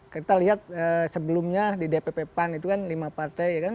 kita lihat sebelumnya di dpp pan itu kan lima partai